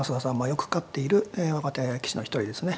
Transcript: よく勝っている若手棋士の一人ですね。